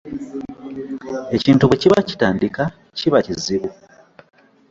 Ekintu bwe kiba kitandika kiba kizibu.